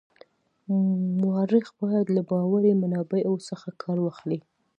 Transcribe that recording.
مورخ باید له باوري منابعو څخه کار واخلي.